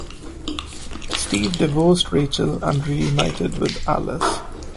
Steve divorced Rachel and reunited with Alice.